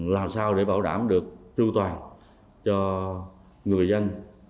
làm sao để bảo đảm được an toàn cho người dân